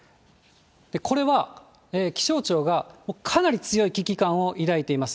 これは、気象庁がかなり強い危機感を抱いています。